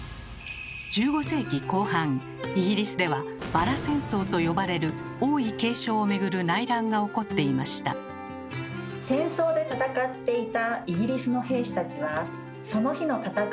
１５世紀後半イギリスでは「バラ戦争」と呼ばれる王位継承をめぐる内乱が起こっていました。